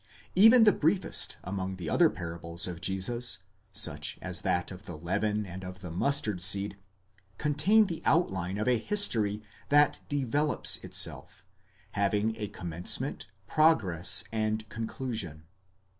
1° Even the briefest among the other parables of Jesus, such as that of the leaven and of the mustard seed, contain the outline of a history that develops itself, having a commencement, progress, and conclusion.